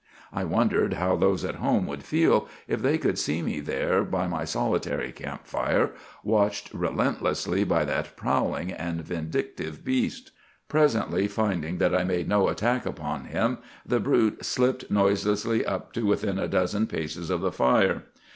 I wondered how those at home would feel if they could see me there by my solitary camp fire, watched relentlessly by that prowling and vindictive beast. "Presently, finding that I made no attack upon him, the brute slipped noiselessly up to within a dozen paces of the fire.